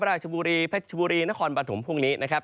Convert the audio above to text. พระราชบุรีพระชบุรีนครบาถมพรุ่งนี้นะครับ